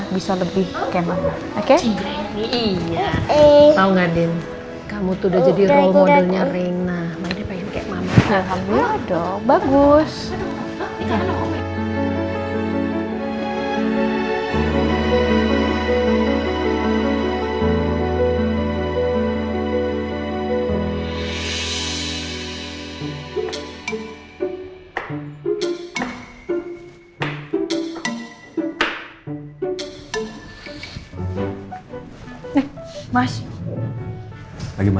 bukan makan malam